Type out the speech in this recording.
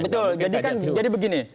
betul jadi kan jadi begini